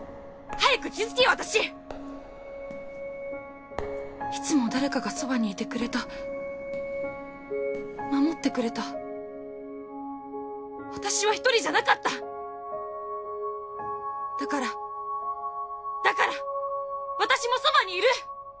早く気づけよ私いつも誰かがそばにいてくれた守ってくれた私は１人じゃなかっただからだから私もそばにいる！